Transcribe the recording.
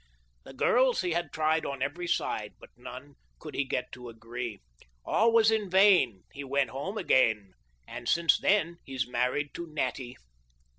The girls he had tried on every side. But none could he get to agree ; All was in vain, he went home again, And since that he's married to Natty.